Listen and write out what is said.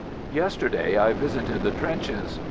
Yesterday I visited the trenches.